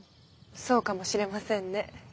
そうかもしれませんね。